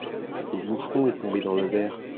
le moucheron est tombé dans le verre.